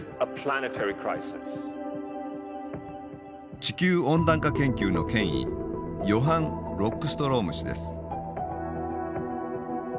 地球温暖化研究の権威ヨハン・ロックストローム氏です。